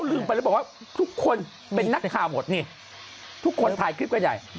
ลืมไปแล้วบอกว่าทุกคนเป็นนักข่าวหมดนี่ทุกคนถ่ายคลิปกันใหญ่